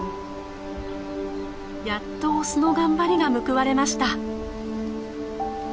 やっとオスの頑張りが報われました。